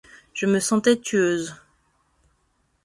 Je me sentais tueuse.